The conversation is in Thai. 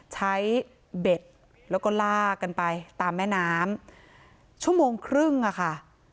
เบ็ดแล้วก็ลากกันไปตามแม่น้ำชั่วโมงครึ่งอะค่ะ